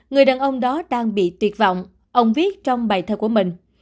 người đàn ông đó đang bị tuyệt vọng ông viết trong bài thơ của mình